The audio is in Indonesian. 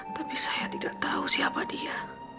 tapi saya tidak tahu siapa dia